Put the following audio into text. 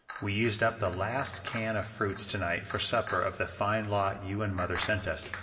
We used up the last can of fruits to night for supper of the fine lot you and mother sent us.